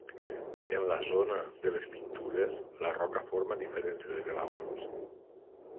En la zona de les pintures la roca forma diferents esglaons.